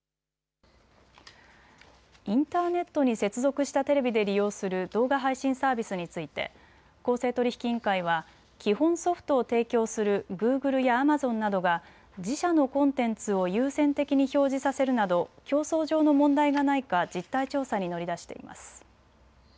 インターネットに接続したテレビで利用する動画配信サービスについて公正取引委員会は基本ソフトを提供するグーグルやアマゾンなどが自社のコンテンツを優先的に表示させるなど競争上の問題がないか実態調査に乗り出しています。